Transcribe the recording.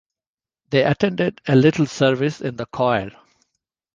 They attended a little service in the choir.